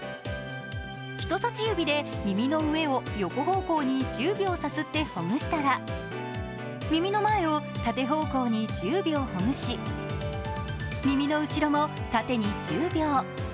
人さし指で耳の上を横方向に１０秒さすってほぐしたら耳の前を縦方向に１０秒ほぐし、耳の後ろも縦に１０秒。